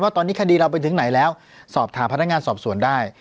ตอนนี้คดีเราไปถึงไหนแล้วสอบถามพนักงานสอบสวนได้